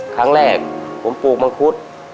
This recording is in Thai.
ครั้งแรกผมปลูกมังคุด